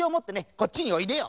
こっちにおいでよ。